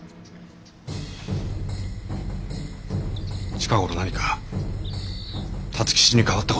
近ごろ何か辰吉に変わった事は？